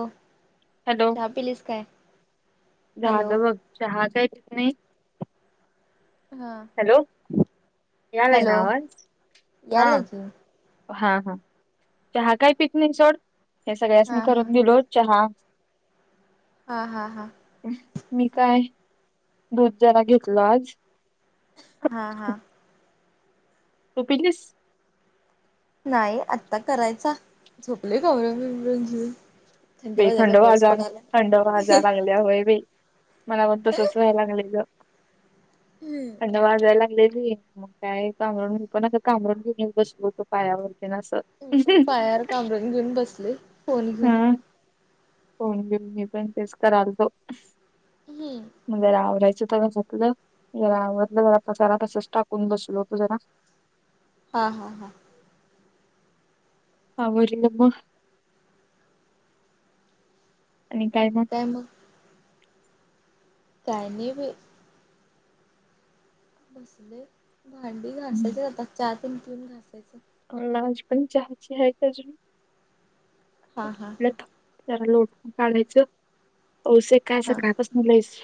हो hello hello. झालं बघ चहा काय त नाही हा हॅलो याव आहे ना हॅलो आवाज हा यालाय की. हा हा च हहा काय पिकनिक सोड हे सगळ्यासनि हा मी हा करून दिलो चहा. हा हा हा मी काय दूध जरा घेतल आज. हा हा. तू पिलीस? नाही आत्ता करायचा झोपले गौरज बई थंड भाजा थंड भाजा लागल्या होय बा मला पण तसच व्हायला लागले ग. हम् ड वाजाय लागलेली. मग काय कामरून पण कामरून घेऊन बसलो होतो पायावरती ना असं. मी पण पायार कामरून घेऊन बसले फोन घेऊन. होन घेऊन मी पण तेच करालतो. ह म्हज आवरायचं तर आवरलं जरा आपण चार तसच टाकून बसल होतो जरा हा हां हां. [unintelligible] आणि काय मग? काय नाही बाई. बसले भांडी घासायचे जातात चहा पिऊन घासायचे. लाज पण चहाची आहे का अजून हा हा आप हा त्या लोट काढायचं औष्यक काय हा असं मुस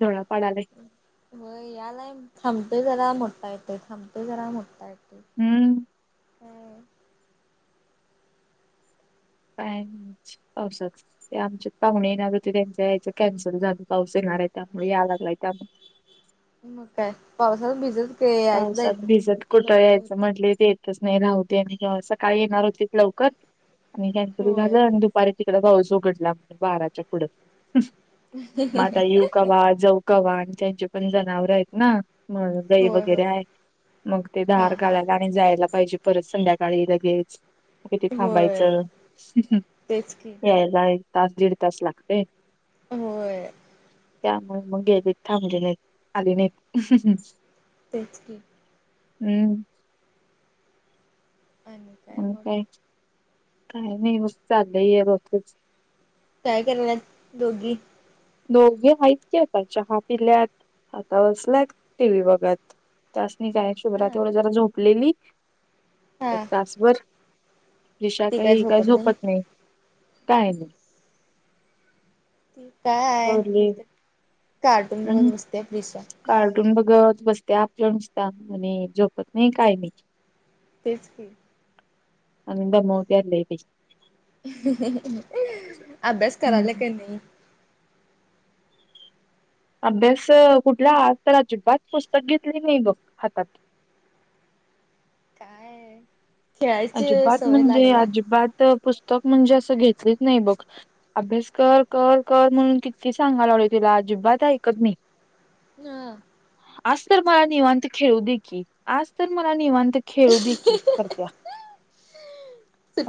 धोळा पडालाय. व याला थांबते जरा मोठा येते थांबते जरा मोठा येते. हम्म [unintelligible] ते आमच्यात पाहुणे येणार होते त्यांच याचं कॅन्सल झालं पाऊस येणार आहे त्यामुळे या लागलाय त्यामुळे. मग काय पावसात भिजल पावसात भिजत कुठं यायचं म्हटले तेे च नाही रा होते आणि सकाळी येणार होती लवकर आणि कॅन्सल होय झालं आणि दु पारी तिकड पाऊस उघडला म्हणज बाराच्या पुढं म आता येऊ का वा जाऊ. गवा्हा आणि त्यांची पण जनावर आहेत ना म दै व होय होय वगैरे आहे मग ते हा धार हा काढायला आणि जायला पाहिजे परत संध्याकाळी लगेच. किती होय थांबायचं तेच की. यायला एक तास, दीड तास लागते. होय. त्यामुळे मग थांबले नाही आली नाही. तेच क हम्म आणि म मग काय काय नाही चाललं आहे रोजचच. काय करायलात दोघी? दोघे आहेत के आता चहा पिल्यात आता बसल्यत टीव्ही बघत. तासनी काय शुभ्र हा तेवढ जरा झोपलेली हा तासभर. दिशा काही काय झोपत नाही काय नाही. त काय थोरली आहे कार्टून बघत बसतेय दिशा. तून बघत बसते आपलं नुसत आणि झोपत नाही काय नाही. तेच दमावतीय लई अभ्यास कराला हम्म. क नाही? अभ्यास कुठला आ तर अजिबात पुस्तक घेतले नाही बघ हातात. काय? खेळायची अजिबात सवय म्हणजे लागल्या अजिबात पुस्तक म्हणजे असं घेतलेच नाही बघ. अभ्यास कर कर कर म्हणून किती सांगायलोय तिला अजिबात ऐकत नाही. हम. आज तर मला निवांत खेळू दे की. आज तर मला निवांत खेळू दे की. करत-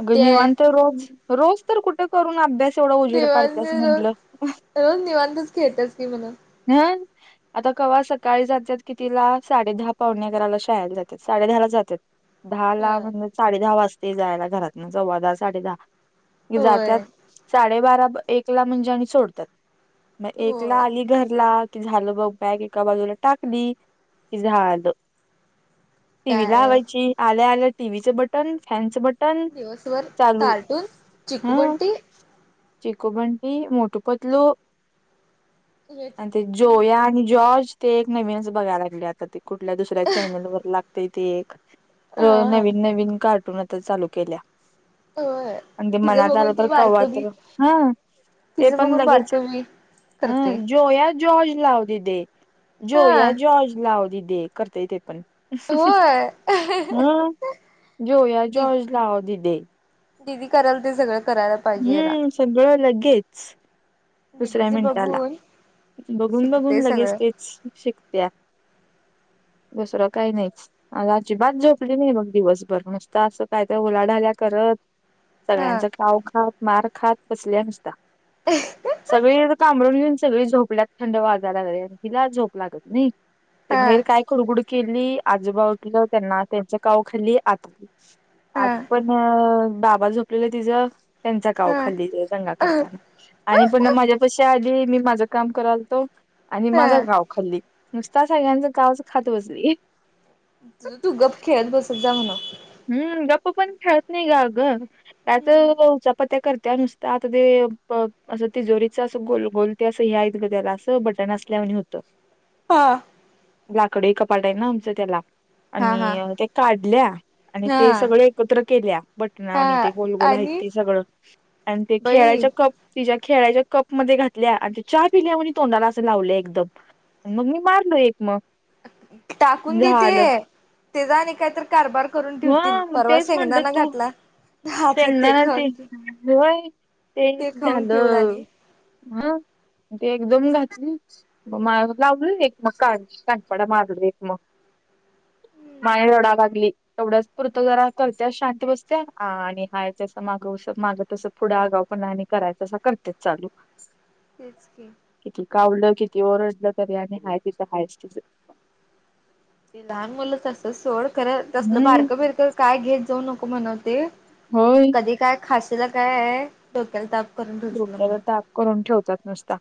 अग, आहे. निवांत रोज, रोज? तर कुठं करून अभ्यास एवढा उजेड निवांत पाडतेयस रोज म्हंटलं. रोज निवांतच खेळत्यास की म्हण. हं. आता कव्हा सकाळी जात्यात कितिला? साडे दहा पाउणे अकराला शाळेत जात्यात. साडे दहाला जात्यात. दहा ला हा म्हणजे साडे दहा वाजते जायला घरातन. सव्वा दहा, साडे दहा. की होय जात्यात- साडेबारा एकला म्हणजे आणि सोडतात. म एकला होय आली घरला- कि झालं बघ. बॅग एका बाजूला टाकली की झालं. टीव्ही काय लावायची. आल्या आल्या टीव्हीचे बटन, फॅनच बटन- टन दिवसभर चालू. कार्टून चिकू हम. बंटी चिखो बंडी, मोटू पतलू. हेच आणि ते जोया आणि जॉर्ज. ते एक नवीनच बघायला लागले आता ते. कुठल्या दुसऱ्या चॅनलवर लागतय ते एक हा हा नवीन- विन कार्टून आता चालू केल्या. होय आणि ते तिचं मनात आलं बघून तर ते खाऊ बारकं घालते बी बघ. हं. ते तिचं पण बघून लगेच. बारकं बी करते अं -जोया- जॉर्ज लाव दे दे. जो हा या जॉर्ज लावदी दे. करतय ते पण. होय ह. जोया दि जॉज लाव दीदे. दिदी करल ते सगळं करायला- पाहिजे याला हम्म. सगळं लगेच. दुसऱ्या दिदीचं मिनिटाला. बघून बघून शिकते बघून लगेच सगळं तेच शिकत्या. दुसरं काही नाहीच. आज अजिबात झोपली नाही बघ दिवसभर. मस्त असं कायत उलाढाल्या करत- हा सगळ्यांचा काव खात. मार खात. बसल्याय नुसतं. अ सगळी कांबळ घेऊन सगळी झोपल्यात थंड वाजाय लागलिए. तिला झोप लागत नाही. ते हा बाहिर काय कुडबुड केली. आजोबा उठलं त्यांना त्यांची काव खाल्ली. आता - हा आत पण- बाबा झोपलेलं तिच- त्यांचा काव हा खाल्ली दंगा करताना. आणि पण ना? माझ्यापेक्षा आधी मी माझं काम करायलोतो आणि माझा हा गाव- खाल्ली नुसता सगळ्यांचा कावच खात बसली. तुझ तू गप खेळत बसत जा म्हणावं. हम्म. गप्प पण खेळत नाही ग अग. कायत म्हणाव उचापत्या करत्याल. तर आता ते असं तिजोरीच असं गोल गोल ते असं हे आहेत ग त्याला असं. बटण असल्यावाणी होतं हा. लाकडी कपाट आहे ना आमचं त्याला हा हा आणि त्या काढल्या- आणि ते हा सगळ एकत्र केल्या बटणा हा आणि ते गोलगोल आहेत आणि ते सगळं. आणि ते बई खेळायच्या कप- तिच्या खेळ्याच्या कप मध्ये घातल्या आणि ते चहा पिल्यावाणी तोंडाला असं लावलय एकदम. मग मी मारल एक मग. टाकून दे ते. झालं तेचा आणि कायतर कारभार- करून ठेवतील. ह परवा तेच म्हणलं शेंगदाना तू घातला- हातात शेंगदाणा ते? खाऊन व्हय ते एक खाऊन ठेवलं झालं. आणि हा. ते एकदम घातली- मग म लावली ना एक, मग काय कानफडा मागन एक मग- माय रडा लागली. तेवढ्याच पुरतं जरा करतेया शांत बसतेया. हा. आणि हायचं असं मागंस माग तसं पुढं आगाऊ पणा आणि करायचं असं करत्यात चालू. तेच की, किती कावलं किती ओरडलं तरी, आणि हाय तिचं हायिच, ते लहान मुलं तस सोड खरं तसलं, हम्म बारकं बिरकं काय घेत जाऊ नको म्हण ते, होय, त काय खाशील काय आहे, डोक्याला ताप करून ठेवशिला डोक्याला म्हणून, ताप करून ठेवतात नुसता,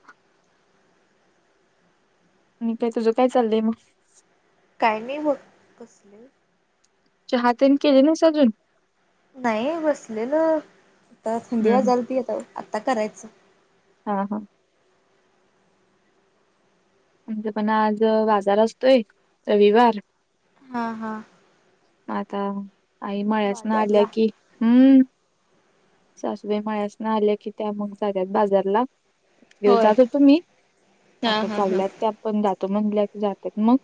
आणि काय, तुझं काय चाललंय मग, काय नाही बग, चहा तेन केली नाही स अजून, नाही बसलेलं आता, थंडी हम्म वाजला ती येत आत्ता करायचं. हा, हा, आणच पण आज बाजार असतोय रविवार, हा हा, आता आई म्हळ्यास ना आल्या, बाजारला कि हम्म, सासूबाई माळ्यास न आल्या की त्या, मग जात्यात बाजारला, येऊ होय जात होतो मी, हा आता हा हा. चालल्यात ते आपण जातो म्हणल्या जातात मग,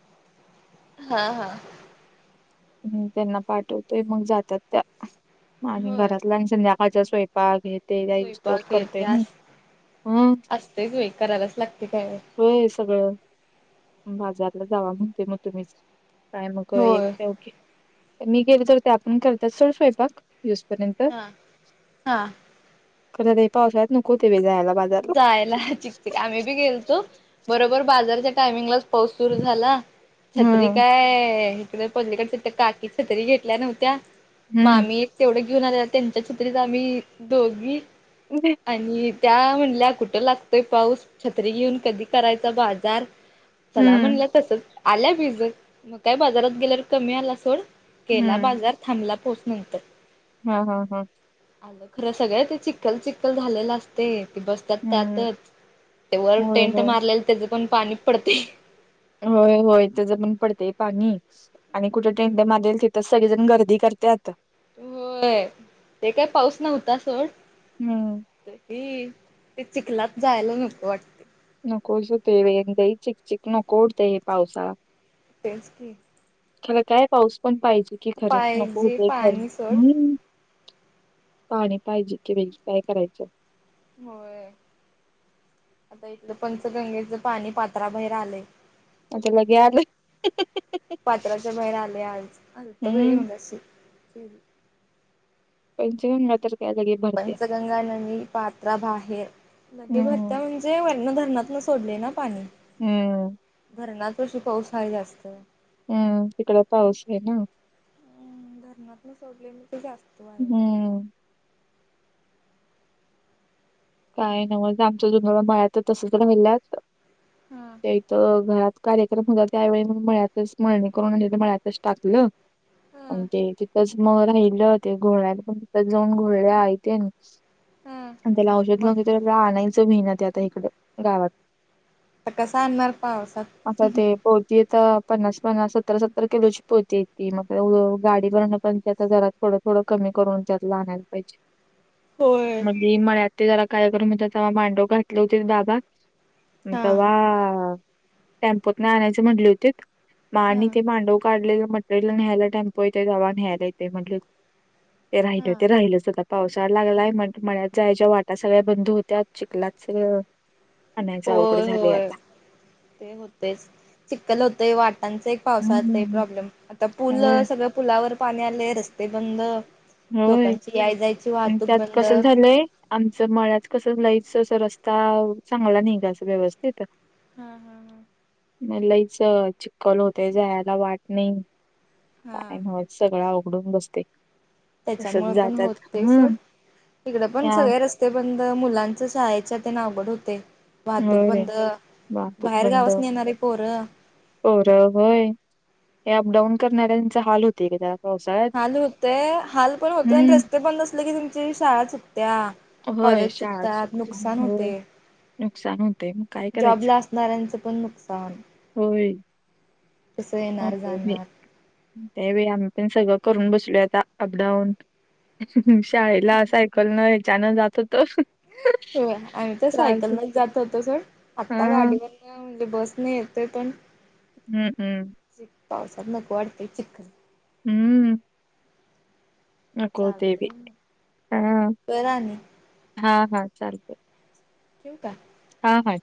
हा हा, हम् त्यांना पाठवतोय मग जातात त्या, आणि होय घरात लच, संध्याकाळच्या स्वयंपाक हे, ते जाईस्तोवर सोयंपाक येते करतोय नाही अस हं असते सोय करायलाच लागते काय, होय सगळं, बाजारला जावा म्हणते मग तुम्हीच, काय मग होय एक ओे, मी गेले तर त्या पण, करतात सोड स्वयंपाक, दिस पर्यंत हा हा खरं ते पावसाळत नको, ते बाजारात जायला, बाजारला जायला, चिकचिक आम्ही गेलतो बरोबर बाजारच्या, टायमिंगलाच पाऊस सुरू झाला. छत्री हं, काय इकड, पलीकडच्या त्या काकी छत्री घेतल्या नव्हत्या हं. आम्ही, तेवढं घेऊन आलेला, त्यांच्या छत्रीत आम्ही दोघी, [unintelligible] आणि त्या म्हल्या कुठं लागतोय, पाऊस छत्री घेऊन कधी करायचा बाजार, चला हं, म्हणलं तस, आल्या भिजत मग काय बाजारात गेल्यावर कमी आला सोड, केला बाजार थांबला, पाऊस नंतर. हा, हा, हा, आलं खरं सगळ्या, ते चिक्खल, चिक्खल झालेलं असते, ती बस त्या हं. त्याच ते वर, होय, टेंट होय. मारलेल त्याचे पण पाणी पडते, हो होय त ज पण पडतेय पाणी आणि कुठे टेंट, मारेल तिथ सगळेजण गर्दी करतात, होय ते काय, पाऊस नव्हता सोड, हम, ते चिखलात जायला नकं वाटत, नको शतू दई चिकक चक नकोहोतंय हे, पावसाळा. तेच की, खरं काय पाऊस पण पाहिजे, की खरं पाहिजे नकोते खरं पाणी सोड हम्म, पाणी पाहिजे की बाई, काय करायचं. होय आता इथलं, पंचगंगेच पाणी पात्राबाहेर आलंय. आता लगे आलं. पात्राच्या बाहेर आले आज आज, हं. [unintelligible] [unintelligible] पंच गांगा तर काय लागेल, पंचगंगा नदी पात्रा बाहेर, लगे भरत हं, म्हणजे? जे वरन धरणात ना सोडले ना पाणी, हम्म. धरणात वशी पाऊस आहे जास्त. हम्म तिकड पाऊस आहे ना. धरात ना सोडले मी ते जास्त. वाहिल्या हम्म. काय नमज आमचं जुडं मळत तस तर मिल्यात. हम्म. त्या इथं घरात कार्यक्रम होता त्यावेळी मळ्यातच म्हळणे करून म्ह तर मळ्यातच टाकलं. अ हा ते. मग राहिले होते घ पण जाऊन घळले त्याला. हा मग न आता तर आप आणायचं भिणत आता इकड गावात. आ कसा अणारर पावसात. आता ते पोती यता पन्नास पन्नास सतरा सत्तर किलोची पोती येतती मग गाडी भरवण पण आता घरात. थोडं थोडं कमी करून त्यात आणायला पाहिजे. होय. म्हळत ते जरा कायक्र म्हव मांडव घातले होते बाबा. म हा तेव्हा टेम्पोत नाही आणायचे म्हंटले होती मा हा आणि ते मांडव. काढलेलं मटरियल न्यायला टम्पो येते दवा न्यायला येते म्हट. ते राहिलं हा ते राहिल सुद्ध पावसाळा लागलाय म्हण म्ह जायच्या वाट. आता सगळ्या बंधू होत्या चिकलाच म्हनायचं अवघड होय झालेय होय आता. ते होतेच चिककल होतेय वाटांच एक पावसातलं हम्म प्रॉब्लेम आता पूल होय सगळं. पुलावर पाणी आले रस्ते बंद होय लोकांची याय जायची आणि वाहतूक त्यात बंद. कसं झालंय आमचं मळ्याच कसं लईच अस रस्ता चांगला नाही का असं व्यवस्थित. हा हा हा. म लईच चिककल होतय जायला वाट नाही हा काय नवत. सगळ उघडून बसते. त्याच्यामुळे तसच पण होते जातात ते हम्म सोड इकड पण या सगळे रस्ते. ते बंद मुलांच सहायच्या ते ना आवड होते. वाहतूक होय बंद वाहतूक बाहेर गावास न येणार आहे पोरं. होर होय हे अप डाऊन करणाऱ्यांचा हाल होतय का त्यात. हाल होतय हाल पण होते आणि हम्म रस्ते बंद असले की तुमची शाळा चुटत्या. होय कॉलेज शाळा चुकतात सुटली नुकसान होय होते. नुकसान होते मग. काय करायचं जॉबला असणाऱ्यांचं पण नुकसान. होय. कसं हो येणार ते जाणार ते व आम्ही पण सगळं करून बसलो आता अपडाऊन. शाळेला हम्म. सायकल न ह्याच्यानं जात होत. हो आणि ते सायकल नच जात होतो सण हा आत्ता हम्म गाडीवर. ले बस नाही येतय पण. हम् हम्म. च पावसाात नको वाडते चिक्न. हम्म. ह कोोतवी चालतंय मग हम कर आणि हा हा चालते. किव का. हा ह.